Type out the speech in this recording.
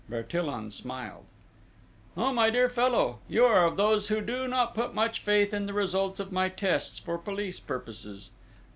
Bertillon smiled: "Oh, my dear fellow, you are of those who do not put much faith in the results of my tests for police purposes!